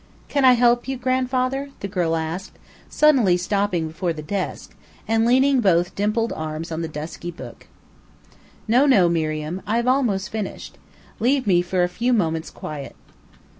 "Can I help you, grandfather?" the girl asked, suddenly stopping before the desk, and leaning both dimpled arms on the dusty book. "No, no, Miriam; I have almost finished. Leave me for a few moments' quiet."